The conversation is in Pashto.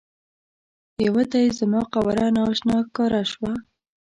یوه ته یې زما قواره نا اشنا ښکاره شوه.